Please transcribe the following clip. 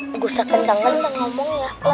gak usah kentang kentang ngomongnya